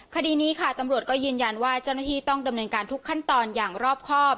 คดีนี้ค่ะตำรวจก็ยืนยันว่าเจ้าหน้าที่ต้องดำเนินการทุกขั้นตอนอย่างรอบครอบ